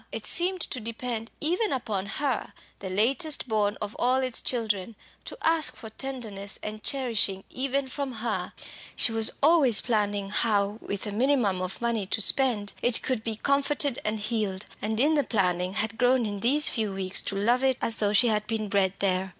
It seemed to depend even upon her, the latest born of all its children to ask for tendance and cherishing even from her. She was always planning how with a minimum of money to spend it could be comforted and healed, and in the planning had grown in these few weeks to love it as though she had been bred there.